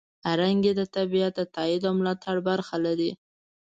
رنګ یې د طبیعت د تاييد او ملاتړ برخه لري.